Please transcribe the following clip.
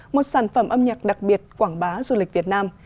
một sản phẩm âm nhạc đặc biệt quảng bá du lịch việt nam